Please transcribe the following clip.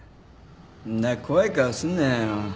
そんな怖い顔すんなよ。